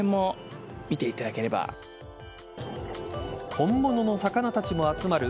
本物の魚たちも集まる